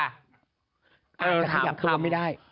อาจจะถามคำไม่ได้